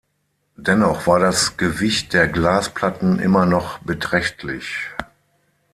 Dennoch war das Gewicht der Glasplatten immer noch beträchtlich.